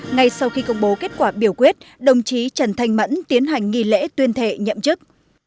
ngay sau khi công bố kết quả biểu quyết đồng chí trần thanh mẫn tiến hành nghi lễ tuyên thệ nhậm chức